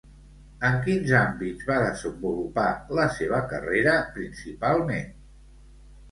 En quins àmbits va desenvolupar la seva carrera, principalment?